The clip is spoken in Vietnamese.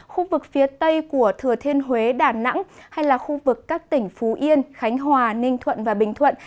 khu vực phía tây của thừa thiên huế đà nẵng hay là khu vực các tỉnh phú yên khánh hòa ninh thuận và bình thuận